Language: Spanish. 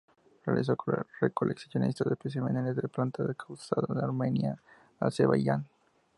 Realizó recolecciones de especímenes de plantas en el Cáucaso, Armenia, Azerbaiyán.